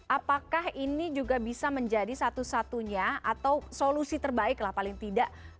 apakah ini juga bisa menjadi satu satunya atau solusi terbaik lah paling tidak